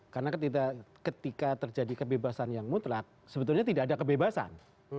karena ketika terjadi kebebasan yang mutlak sebetulnya tidak ada kebebasan